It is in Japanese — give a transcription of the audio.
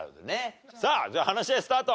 さあじゃあ話し合いスタート。